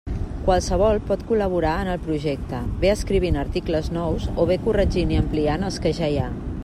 Qualsevol pot col·laborar en el projecte, bé escrivint articles nous, o bé corregint i ampliant els que ja hi ha.